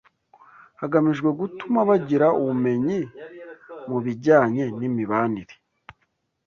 hagamijwe gutuma bagira ubumenyi mu bijyanye n’imibanire